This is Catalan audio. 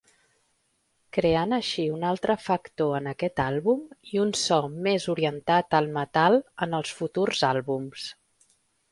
Creant així un altre factor en aquest àlbum i un so més orientat al metal en el futurs àlbums.